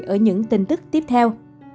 ở những tin tức tiếp theo